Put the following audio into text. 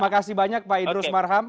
terima kasih banyak pak idrus marham